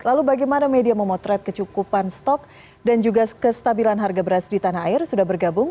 lalu bagaimana media memotret kecukupan stok dan juga kestabilan harga beras di tanah air sudah bergabung